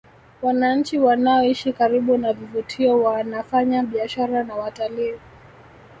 Wananchi wanaoishi karibu na vivutio waanafanya biashara na watalii